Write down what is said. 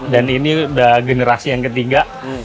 dan ini udah generasi yang ketiga